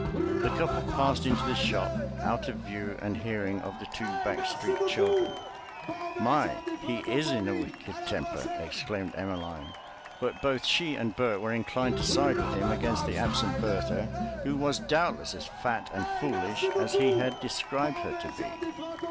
The couple passed into the shop, out of view and hearing of the two back street children. "My, he is in a wicked temper," exclaimed Emmeline, but both she and Bert were inclined to side with him against the absent Bertha, who was doubtless as fat and foolish as he had described her to be.